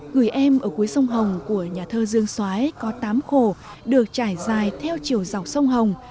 gửi em ở cuối sông hồng của nhà thơ dương xoái có tám khổ được trải dài theo chiều dọc sông hồng